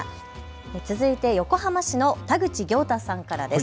続いて横浜市の田口業太さんからです。